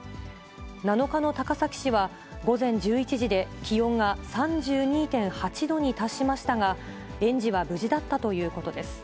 ７日の高崎市は、午前１１時で気温が３２．８度に達しましたが、園児は無事だったということです。